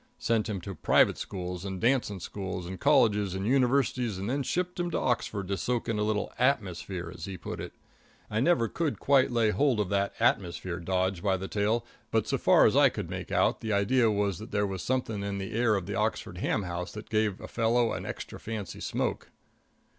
Sent him to private schools and dancing schools and colleges and universities, and then shipped him to Oxford to soak in a little "atmosphere," as he put it. I never could quite lay hold of that atmosphere dodge by the tail, but so far as I could make out, the idea was that there was something in the air of the Oxford ham house that gave a fellow an extra fancy smoke.